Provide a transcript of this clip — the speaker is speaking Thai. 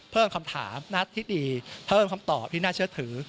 เพิ่มคำถามนัดที่ดีเพิ่มคำตอบที่น่าเชื่อถือ